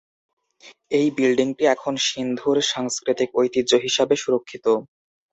এই বিল্ডিংটি এখন সিন্ধুর সাংস্কৃতিক ঐতিহ্য হিসাবে সুরক্ষিত।